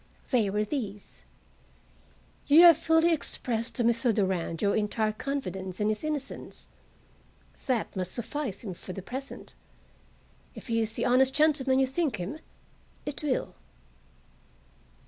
They were these: "You have fully expressed to Mr. Durand your entire confidence In his Innocence. That must suffice him for the present. If he Is the honest gentleman you think him, It will."